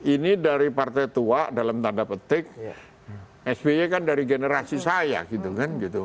ini dari partai tua dalam tanda petik sby kan dari generasi saya gitu kan gitu